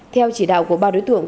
theo chỉ đạo của ba đối tượng